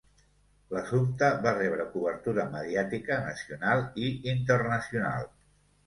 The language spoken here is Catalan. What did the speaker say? L'assumpte va rebre cobertura mediàtica nacional i internacional.